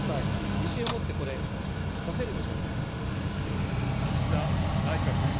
自信をもってこれ、出せるんでしょうか。